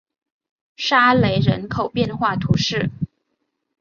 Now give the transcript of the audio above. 沙雷人口变化图示